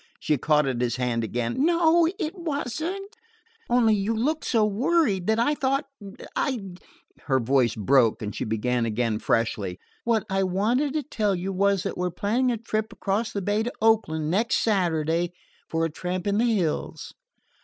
She caught at his hand again. "No, it wasn't; only you looked so worried that I thought I " Her voice broke, and she began again freshly. "What I wanted to tell you was that we're planning a trip across the bay to Oakland, next Saturday, for a tramp in the hills."